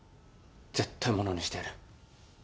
絶対物にしてやる。